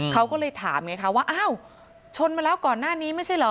เขาก็เลยถามไงคะว่าอ้าวชนมาแล้วก่อนหน้านี้ไม่ใช่เหรอ